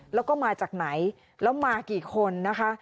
แล้วก็มาจากไหนแล้วมากี่คนนะคะ